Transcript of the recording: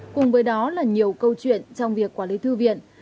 cùng với đó là nhiều câu chuyện trong việc quản lý thư viện